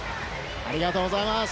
ありがとうございます。